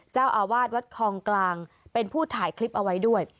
เจ้าอาวาสวัดคลองกลางเป็นผู้ถ่ายคลิปเอาไว้ด้วย